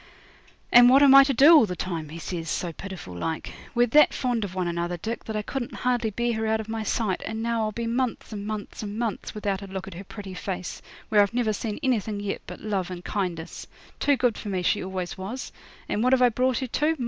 'And what am I to do all the time?' he says so pitiful like. 'We're that fond of one another, Dick, that I couldn't hardly bear her out of my sight, and now I'll be months and months and months without a look at her pretty face, where I've never seen anything yet but love and kindness. Too good for me she always was; and what have I brought her to?